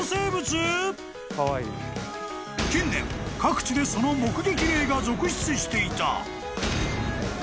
［近年各地でその目撃例が続出していた］